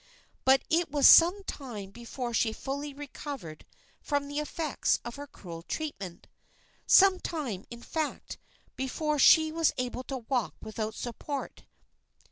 But it was some time before she fully recovered from the effects of her cruel treatment some time, in fact, before she was able to walk without support.